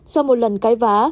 sau một lần kết thúc